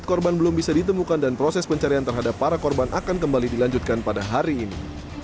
empat korban belum bisa ditemukan dan proses pencarian terhadap para korban akan kembali dilanjutkan pada hari ini